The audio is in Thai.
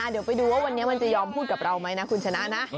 เดี๋ยวไปดูว่าวันนี้มันจะยอมพูดกับเราไหมนะคุณชนะนะ